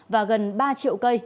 và gần ba triệu cây